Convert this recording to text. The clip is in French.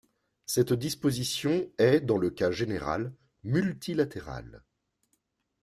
Cette disposition est, dans le cas général, multilatérale.